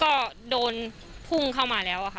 ก็กลายเป็นว่าติดต่อพี่น้องคู่นี้ไม่ได้เลยค่ะ